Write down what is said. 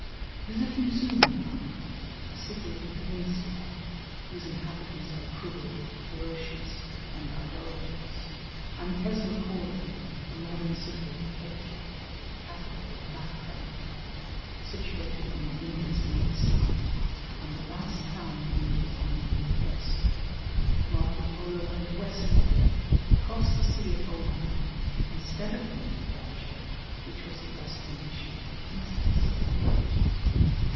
Visiting Sumenath, a city of the peninsula, whose inhabitants are cruel, ferocious, and idolaters, and Kesmacoran, the modern city of Kedje, the capital of Makran, situated on the Indus near the sea, and the last town in India on the northwest, Marco Polo went westward across the sea of Oman, instead of going to Persia, which was the destination of the princess.